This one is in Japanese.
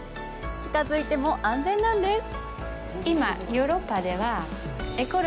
近づいても安全なんです。